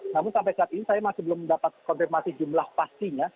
namun sampai saat ini saya masih belum mendapat konfirmasi jumlah pastinya